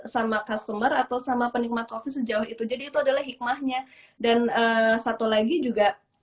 sama customer atau sama penikmat kopi sejauh itu jadi itu adalah hikmahnya dan satu lagi juga